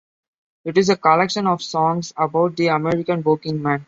It is a collection of songs about the American working man.